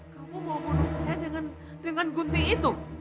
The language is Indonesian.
kamu mau pondok saya dengan gunting itu